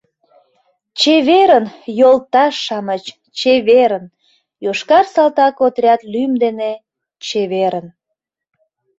Чеверын, йолташ-шамыч, чеверын! йошкар салтак отряд лӱм дене - чеверын...